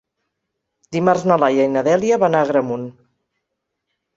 Dimarts na Laia i na Dèlia van a Agramunt.